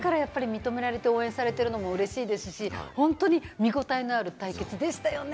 世界中の方から認められて、応援されているのも嬉しいですし、見応えのある対決でしたよね。